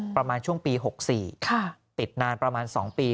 ประมาณช่วงปี๖๔ติดนานประมาณ๒ปี